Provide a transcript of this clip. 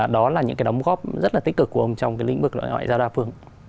đó là những đồng góp rất tích cực của ông trong lĩnh vực ngoại giao đa phương